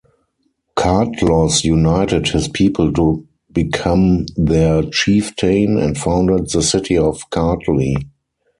Kartlos united his people to become their chieftain and founded the city of Kartli.